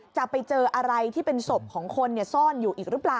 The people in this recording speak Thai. จะไปเจออะไรที่เป็นศพของคนซ่อนอยู่อีกหรือเปล่า